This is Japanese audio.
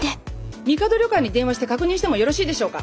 みかど旅館に電話して確認してもよろしいでしょうか？